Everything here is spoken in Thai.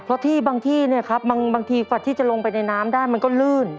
เพราะที่บางที่เนี่ยครับบางทีฝัดที่จะลงไปในน้ำได้มันก็ลื่น